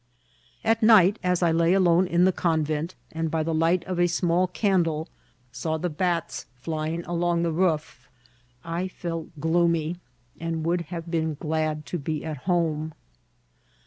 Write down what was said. At night, as I lay alone in the convent, and by the light of a small ▲ N ACCOXPLISHSD TAOABOND. 371 candle saw the bats flying along the roof, I felt gloomy, and would have been glad to be at home.